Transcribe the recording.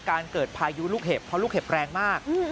การเกิดพายุลูกเห็บเพราะลูกเห็บแรงมาก